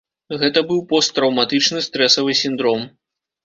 Гэта быў посттраўматычны стрэсавы сіндром.